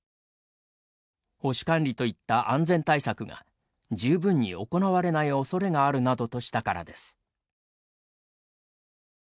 保守管理といった安全対策が十分に行われないおそれがあるなどとしたからです。